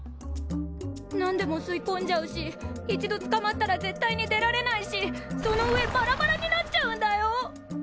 何でも吸いこんじゃうし一度つかまったら絶対に出られないしその上バラバラになっちゃうんだよ！